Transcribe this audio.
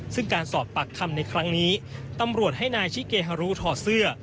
ซึ่งการสอบปากคำในครั้งนี้ตำรวจให้นายชิเกฮารุถอดเสื้อ